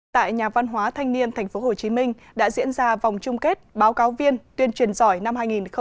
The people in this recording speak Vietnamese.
tại nhà văn hóa thanh niên tp hcm đã diễn ra vòng chung kết báo cáo viên tuyên truyền giỏi năm hai nghìn một mươi chín